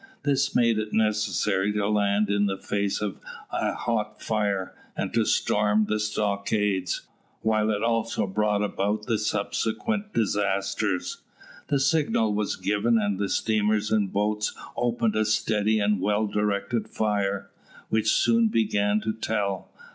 This made it necessary to land in the face of a hot fire and to storm the stockades, while it also brought about the subsequent disasters. The signal was given and the steamers and boats opened a steady and well directed fire, which soon began to tell.